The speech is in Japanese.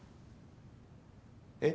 えっ？